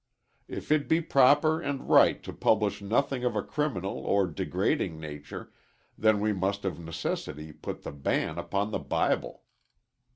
If it be proper and right to publish nothing of a criminal or degrading nature, then we must of necessity put the ban upon the Bible.